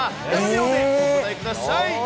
７秒でお答えください。